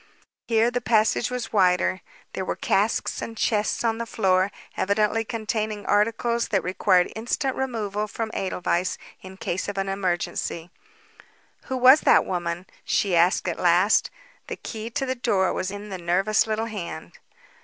Here the passage was wider. There were casks and chests on the floor, evidently containing articles that required instant removal from Edelweiss in case of an emergency. "Who was that woman?" she asked at last. The key to the door was in the nervous little hand.